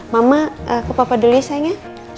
mama aku papa dulu ya sayang ya